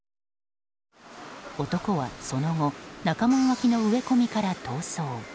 男はその後中門脇の植え込みから逃走。